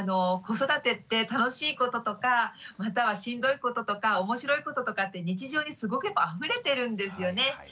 子育てって楽しいこととかまたはしんどいこととか面白いこととかって日常にすごくあふれてるんですよね。